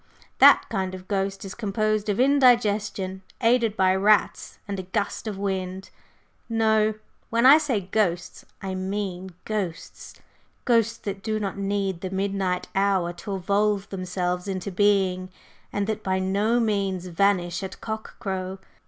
That kind of ghost is composed of indigestion, aided by rats and a gust of wind. No; when I say ghosts, I mean ghosts ghosts that do not need the midnight hour to evolve themselves into being, and that by no means vanish at cock crow.